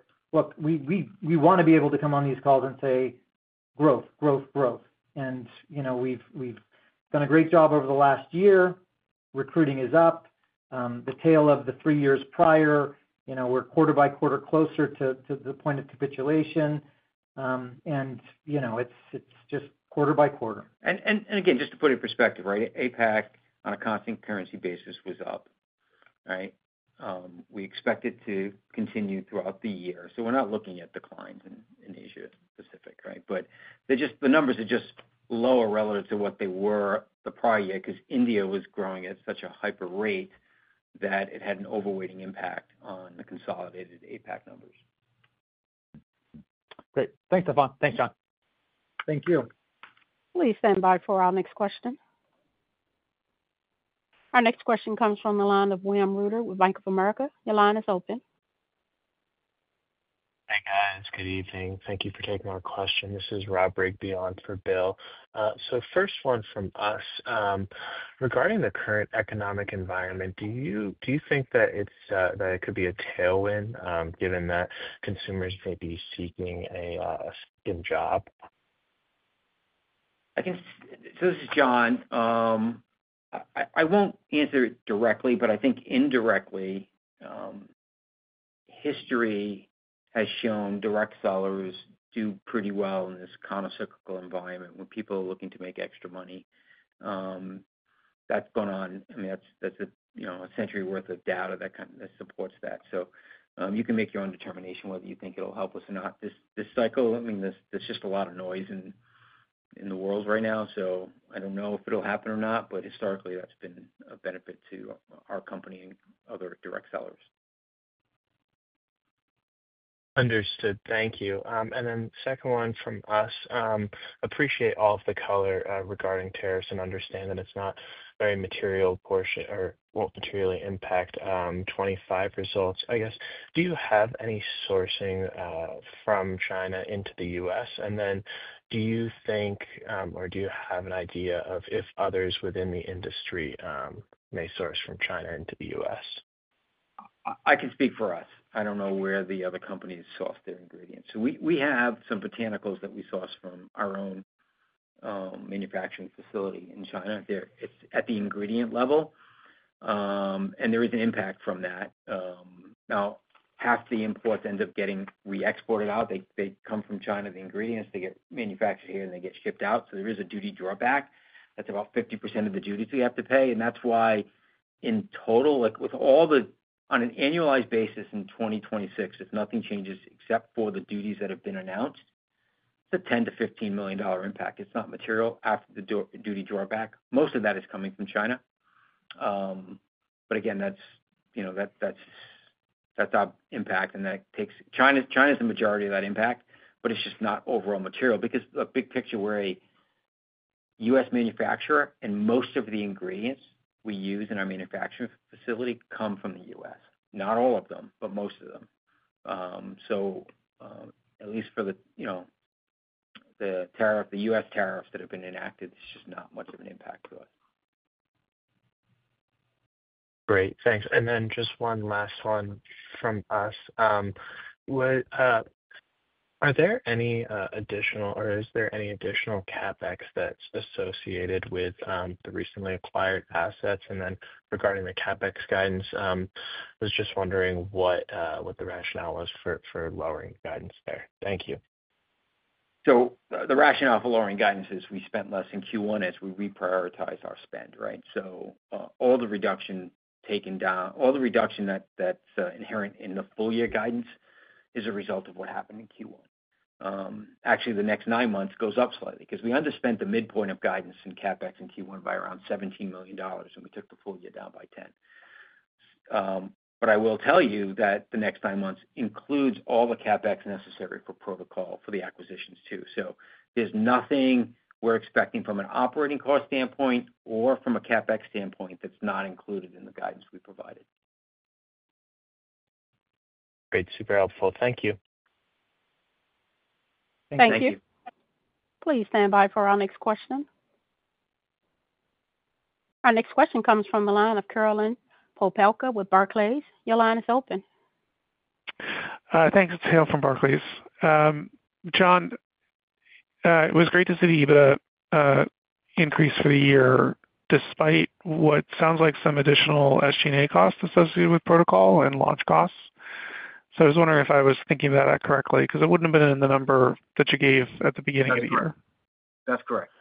we want to be able to come on these calls and say, "Growth, growth, growth." We've done a great job over the last year. Recruiting is up. The tail of the three years prior, we're quarter by quarter closer to the point of capitulation. It's just quarter by quarter. Again, just to put in perspective, right? APAC on a constant currency basis was up, right? We expect it to continue throughout the year. We're not looking at declines in Asia-Pacific, right? The numbers are just lower relative to what they were the prior year because India was growing at such a hyper rate that it had an overweighting impact on the consolidated APAC numbers. Great. Thanks, Stephan. Thanks, John. Thank you. Please stand by for our next question. Our next question comes from the line of William Reuter with Bank of America. Your line is open. Hey, guys. Good evening. Thank you for taking our question. This is Rob Rigby on for Bill. First one from us. Regarding the current economic environment, do you think that it could be a tailwind given that consumers may be seeking a skim job? This is John. I will not answer it directly, but I think indirectly, history has shown direct sellers do pretty well in this kind of cyclical environment when people are looking to make extra money. That has gone on. I mean, that is a century's worth of data that supports that. You can make your own determination whether you think it will help us or not. This cycle, I mean, there is just a lot of noise in the world right now. I don't know if it'll happen or not, but historically, that's been a benefit to our company and other direct sellers. Understood. Thank you. The second one from us. Appreciate all of the color regarding tariffs and understand that it's not very material or won't materially impact 2025 results. I guess, do you have any sourcing from China into the U.S.? Do you think or do you have an idea of if others within the industry may source from China into the U.S.? I can speak for us. I don't know where the other companies source their ingredients. We have some botanicals that we source from our own manufacturing facility in China. It's at the ingredient level, and there is an impact from that. Now, half the imports end up getting re-exported out. They come from China, the ingredients. They get manufactured here, and they get shipped out. There is a duty drawback. That's about 50% of the duties we have to pay. That's why in total, with all the on an annualized basis in 2026, if nothing changes except for the duties that have been announced, it's a $10 million-15 million impact. It's not material after the duty drawback. Most of that is coming from China. Again, that's our impact. China's the majority of that impact, but it's just not overall material because the big picture, we're a U.S. manufacturer, and most of the ingredients we use in our manufacturing facility come from the U.S. Not all of them, but most of them. At least for the U.S. tariffs that have been enacted, it's just not much of an impact to us. Great. Thanks. And then just one last one from us. Are there any additional or is there any additional CapEx that's associated with the recently acquired assets? Regarding the CapEx guidance, I was just wondering what the rationale was for lowering guidance there. Thank you. The rationale for lowering guidance is we spent less in Q1 as we reprioritized our spend, right? All the reduction taken down, all the reduction that's inherent in the full-year guidance is a result of what happened in Q1. Actually, the next nine months goes up slightly because we underspent the midpoint of guidance in CapEx in Q1 by around $17 million, and we took the full year down by 10. I will tell you that the next nine months includes all the CapEx necessary for Pro2col for the acquisitions too. There is nothing we are expecting from an operating cost standpoint or from a CapEx standpoint that is not included in the guidance we provided. Great. Super helpful. Thank you. Thank you. Thank you. Please stand by for our next question. Our next question comes from the line of Carolyn Popelka with Barclays. Your line is open. Thanks, Hale from Barclays. John, it was great to see the EBITDA increase for the year despite what sounds like some additional SG&A costs associated with Pro2col and launch costs. I was wondering if I was thinking about that correctly because it would not have been in the number that you gave at the beginning of the year. That is correct.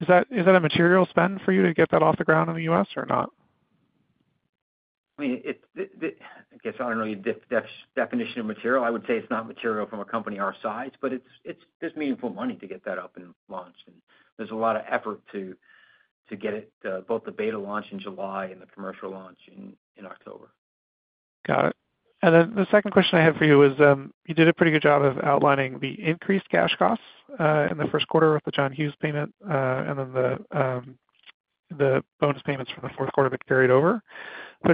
Is that a material spend for you to get that off the ground in the U.S. or not? I mean, I guess I do not know your definition of material. I would say it's not material from a company our size, but it's meaningful money to get that up and launched. There's a lot of effort to get it, both the beta launch in July and the commercial launch in October. Got it. The second question I had for you is you did a pretty good job of outlining the increased cash costs in the first quarter with the John Hughes payment and then the bonus payments from the fourth quarter that carried over.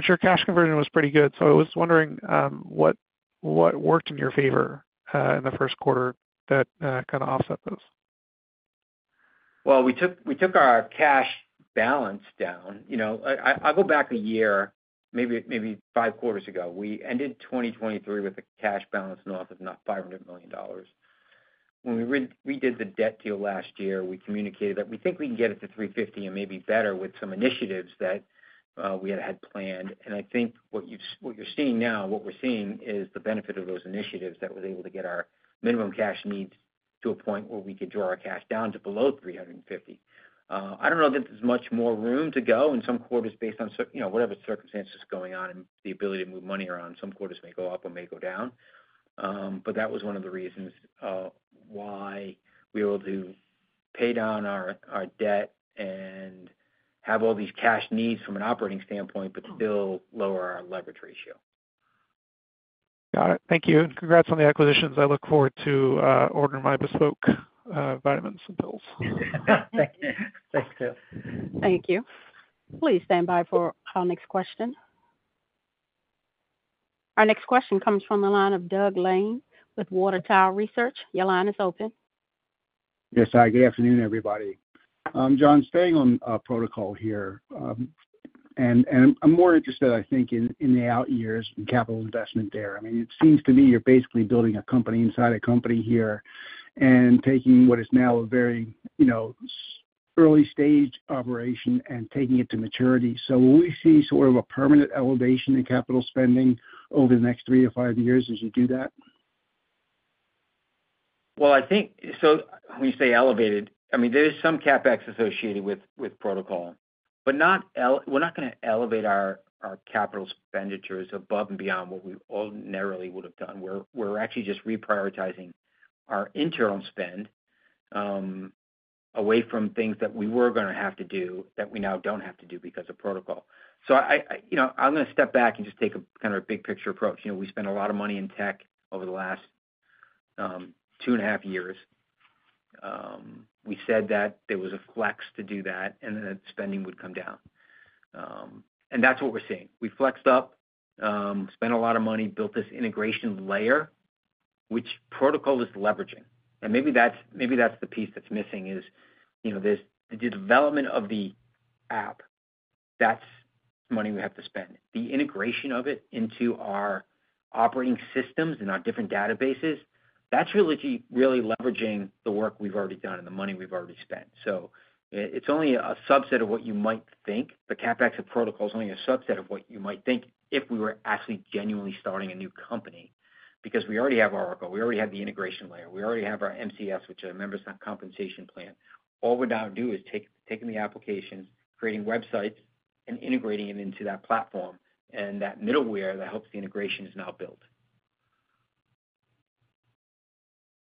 Your cash conversion was pretty good. I was wondering what worked in your favor in the first quarter that kind of offset those? We took our cash balance down. I'll go back a year, maybe five quarters ago. We ended 2023 with a cash balance north of about $500 million. When we redid the debt deal last year, we communicated that we think we can get it to $350 million and maybe better with some initiatives that we had planned. I think what you're seeing now, what we're seeing is the benefit of those initiatives that was able to get our minimum cash needs to a point where we could draw our cash down to below $350 million. I don't know that there's much more room to go in some quarters based on whatever circumstances going on and the ability to move money around. Some quarters may go up or may go down. That was one of the reasons why we were able to pay down our debt and have all these cash needs from an operating standpoint, but still lower our leverage ratio. Got it. Thank you. Congrats on the acquisitions. I look forward to ordering my bespoke vitamins and pills. Thank you. Thanks, Hale. Thank you. Please stand by for our next question. Our next question comes from the line of Doug Lane with Water Tower Research. Your line is open. Yes, hi. Good afternoon, everybody. John, staying on Pro2col here, and I'm more interested, I think, in the out years and capital investment there. I mean, it seems to me you're basically building a company inside a company here and taking what is now a very early stage operation and taking it to maturity. Will we see sort of a permanent elevation in capital spending over the next three to five years as you do that? I think so when you say elevated, I mean, there is some CapEx associated with Pro2col, but we're not going to elevate our capital expenditures above and beyond what we ordinarily would have done. We're actually just reprioritizing our internal spend away from things that we were going to have to do that we now do not have to do because of Pro2col. I am going to step back and just take a kind of a big-picture approach. We spent a lot of money in tech over the last two and a half years. We said that there was a flex to do that, and then spending would come down. That is what we are seeing. We flexed up, spent a lot of money, built this integration layer, which Pro2col is leveraging. Maybe that is the piece that is missing, the development of the app. That is money we have to spend. The integration of it into our operating systems and our different databases, that's really leveraging the work we've already done and the money we've already spent. It is only a subset of what you might think. The CapEx of Pro2col is only a subset of what you might think if we were actually genuinely starting a new company because we already have our Oracle. We already have the integration layer. We already have our MCS, which is a members' compensation plan. All we now do is taking the applications, creating websites, and integrating it into that platform and that middleware that helps the integration is now built.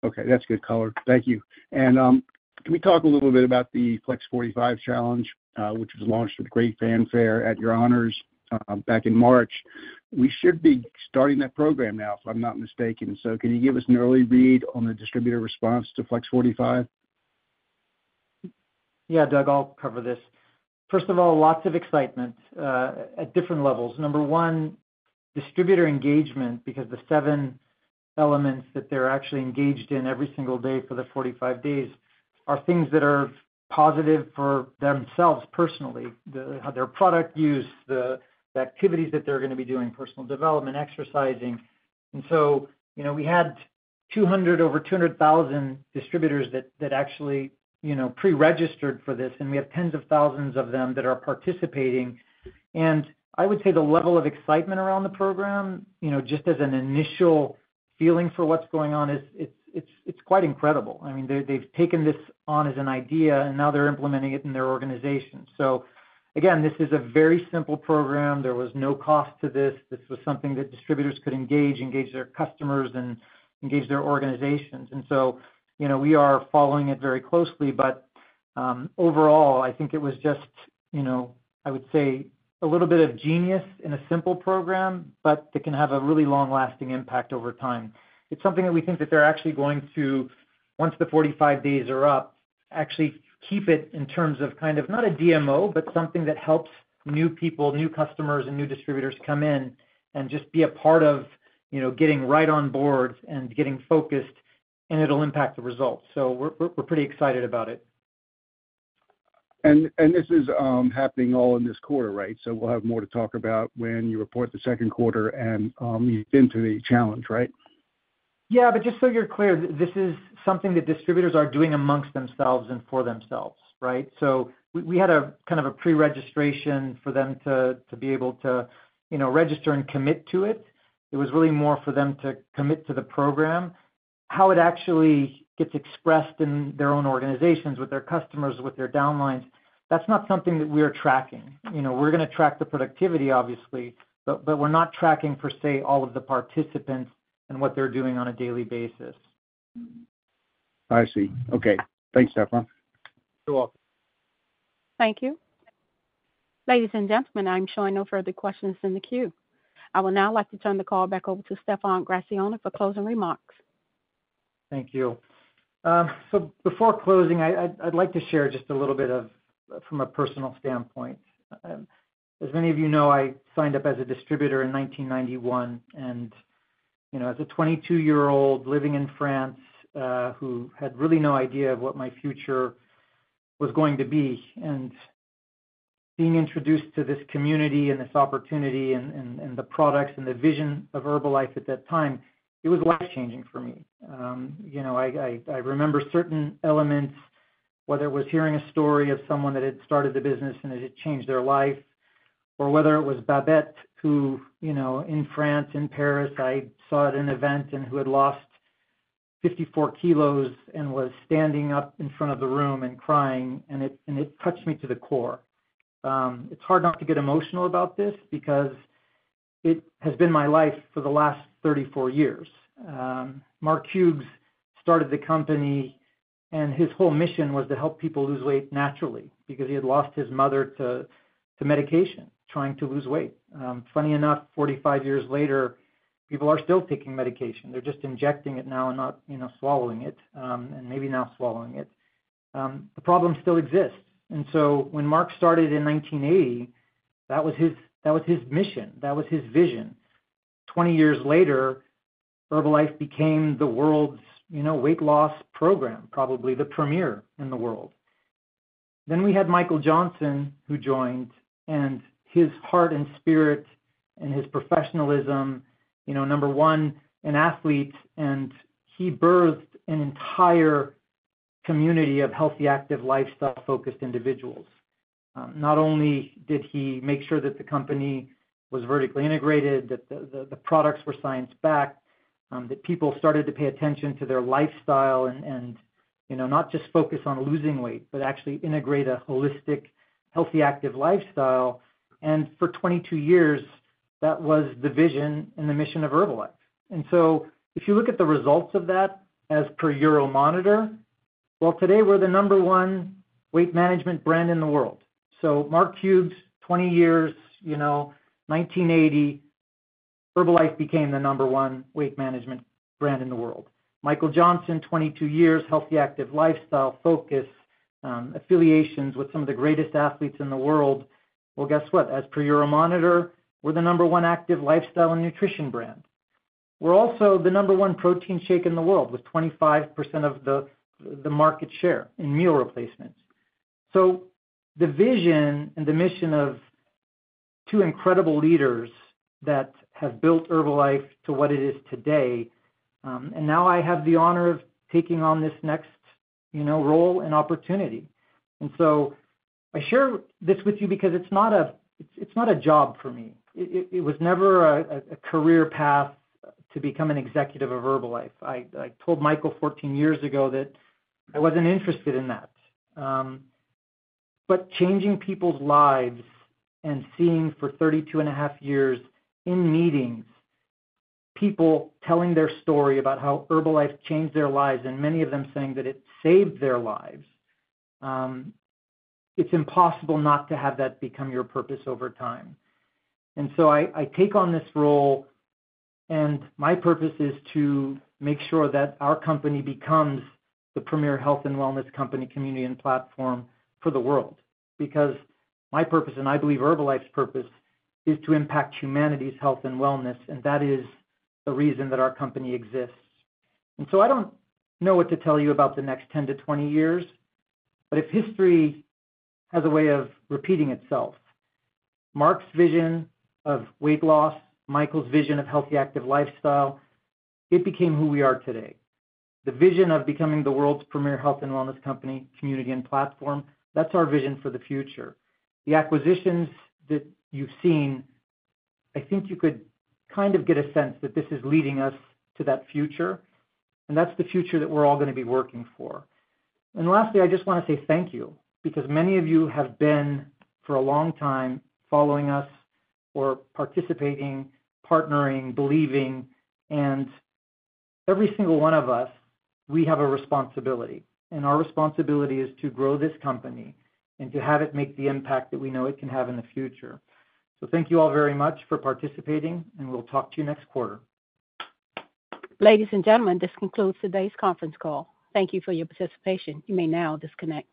Okay. That is good color. Thank you. Can we talk a little bit about the Flex 45 challenge, which was launched with great fanfare at your honors back in March? We should be starting that program now, if I am not mistaken. Can you give us an early read on the distributor response to Flex 45? Yeah, Doug, I'll cover this. First of all, lots of excitement at different levels. Number one, distributor engagement because the seven elements that they're actually engaged in every single day for the 45 days are things that are positive for themselves personally, their product use, the activities that they're going to be doing, personal development, exercising. We had over 200,000 distributors that actually pre-registered for this, and we have tens of thousands of them that are participating. I would say the level of excitement around the program, just as an initial feeling for what's going on, is quite incredible. I mean, they've taken this on as an idea, and now they're implementing it in their organization. This is a very simple program. There was no cost to this. This was something that distributors could engage, engage their customers, and engage their organizations. We are following it very closely. Overall, I think it was just, I would say, a little bit of genius in a simple program, but it can have a really long-lasting impact over time. It's something that we think that they're actually going to, once the 45 days are up, actually keep it in terms of kind of not a DMO, but something that helps new people, new customers, and new distributors come in and just be a part of getting right on board and getting focused, and it'll impact the results. We're pretty excited about it. This is happening all in this quarter, right? We'll have more to talk about when you report the second quarter and you get into the challenge, right? Yeah. Just so you're clear, this is something that distributors are doing amongst themselves and for themselves, right? We had a kind of a pre-registration for them to be able to register and commit to it. It was really more for them to commit to the program. How it actually gets expressed in their own organizations with their customers, with their downlines, that's not something that we are tracking. We're going to track the productivity, obviously, but we're not tracking for, say, all of the participants and what they're doing on a daily basis. I see. Okay. Thanks, Stephan. You're welcome. Thank you. Ladies and gentlemen, I am sure there are no further questions in the queue. I would now like to turn the call back over to Stephan Gratziani for closing remarks. Thank you. Before closing, I'd like to share just a little bit from a personal standpoint. As many of you know, I signed up as a distributor in 1991. As a 22-year-old living in France who had really no idea what my future was going to be, and being introduced to this community and this opportunity and the products and the vision of Herbalife at that time, it was life-changing for me. I remember certain elements, whether it was hearing a story of someone that had started the business and it had changed their life, or whether it was [Babette] who, in France, in Paris, I saw at an event and who had lost 54 kg and was standing up in front of the room and crying, and it touched me to the core. It's hard not to get emotional about this because it has been my life for the last 34 years. Mark Hughes started the company, and his whole mission was to help people lose weight naturally because he had lost his mother to medication, trying to lose weight. Funny enough, 45 years later, people are still taking medication. They're just injecting it now and not swallowing it, and maybe now swallowing it. The problem still exists. When Mark started in 1980, that was his mission. That was his vision. 26 later, Herbalife became the world's weight loss program, probably the premier in the world. We had Michael Johnson who joined, and his heart and spirit and his professionalism, number one, an athlete, and he birthed an entire community of healthy, active lifestyle-focused individuals. Not only did he make sure that the company was vertically integrated, that the products were science-backed, that people started to pay attention to their lifestyle and not just focus on losing weight, but actually integrate a holistic, healthy, active lifestyle. For 22 years, that was the vision and the mission of Herbalife. If you look at the results of that as per Euromonitor, today we're the number one weight management brand in the world. Mark Hughes, 20 years, 1980, Herbalife became the number one weight management brand in the world. Michael Johnson, 22 years, healthy, active lifestyle, focus, affiliations with some of the greatest athletes in the world. Guess what? As per Euromonitor, we're the number one active lifestyle and nutrition brand. We're also the number one protein shake in the world with 25% of the market share in meal replacements. The vision and the mission of two incredible leaders that have built Herbalife to what it is today. I have the honor of taking on this next role and opportunity. I share this with you because it's not a job for me. It was never a career path to become an executive of Herbalife. I told Michael 14 years ago that I wasn't interested in that. Changing people's lives and seeing for 32 and a half years in meetings, people telling their story about how Herbalife changed their lives, and many of them saying that it saved their lives, it's impossible not to have that become your purpose over time. I take on this role, and my purpose is to make sure that our company becomes the premier health and wellness company, community, and platform for the world because my purpose, and I believe Herbalife's purpose, is to impact humanity's health and wellness, and that is the reason that our company exists. I don't know what to tell you about the next 10-20 years, but if history has a way of repeating itself, Mark's vision of weight loss, Michael's vision of healthy, active lifestyle, it became who we are today. The vision of becoming the world's premier health and wellness company, community, and platform, that's our vision for the future. The acquisitions that you've seen, I think you could kind of get a sense that this is leading us to that future, and that's the future that we're all going to be working for. Lastly, I just want to say thank you because many of you have been for a long time following us or participating, partnering, believing, and every single one of us, we have a responsibility, and our responsibility is to grow this company and to have it make the impact that we know it can have in the future. Thank you all very much for participating, and we'll talk to you next quarter. Ladies and gentlemen, this concludes today's conference call. Thank you for your participation. You may now disconnect.